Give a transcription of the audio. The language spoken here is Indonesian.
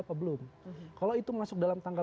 apa belum kalau itu masuk dalam tanggal